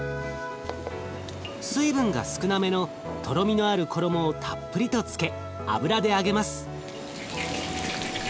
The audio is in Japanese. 水分が少なめのとろみのある衣をたっぷりとつけ油で揚げます。